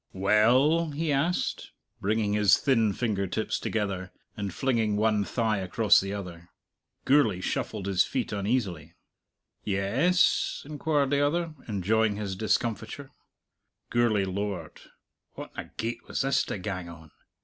"Well?" he asked, bringing his thin finger tips together, and flinging one thigh across the other. Gourlay shuffled his feet uneasily. "Yes?" inquired the other, enjoying his discomfiture. Gourlay lowered. "Whatna gate was this to gang on?